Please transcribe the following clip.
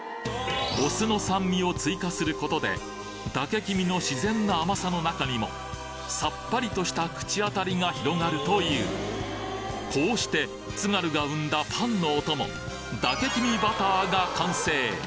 お酢の酸味を追加することで嶽きみの自然な甘さの中にもさっぱりとした口当たりが広がるというこうして津軽が生んだパンのお供嶽きみバターが完成！